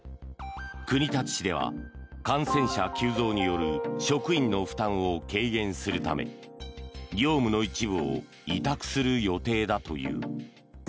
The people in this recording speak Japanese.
国立市では感染者急増による職員の負担を軽減するため業務の一部を委託する予定だという。